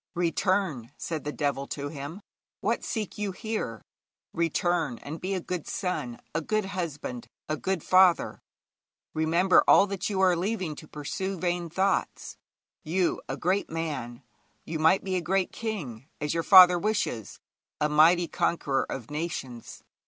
'Return!' said the devil to him. 'What seek you here? Return, and be a good son, a good husband, a good father. Remember all that you are leaving to pursue vain thoughts. You, a great man you might be a great king, as your father wishes a mighty conqueror of nations.